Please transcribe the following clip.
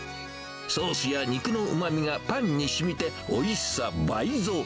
ソースや肉のうまみがパンにしみて、おいしさ倍増。